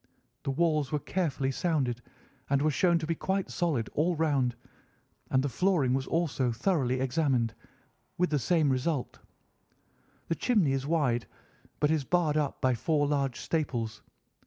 The walls were carefully sounded, and were shown to be quite solid all round, and the flooring was also thoroughly examined, with the same result. The chimney is wide, but is barred up by four large staples.